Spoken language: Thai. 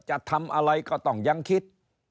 จะทำอะไรก็ต้องยังคิด